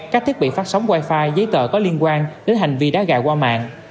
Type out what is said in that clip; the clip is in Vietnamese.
các thiết bị phát sóng wifi giấy tờ có liên quan đến hành vi đá gà qua mạng